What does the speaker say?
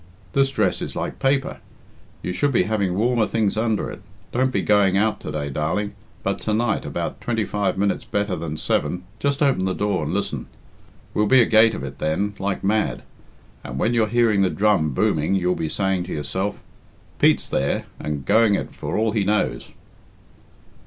This dress is like paper; you should be having warmer things under it. Don't be going out to day, darling, but to night, about twenty five minutes better than seven, just open the door and listen. We'll be agate of it then like mad, and when you're hearing the drum booming you'll be saying to yourself, 'Pete's there, and going it for all he knows.'"